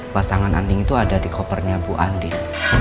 pasangan anting itu ada di kopernya bu andin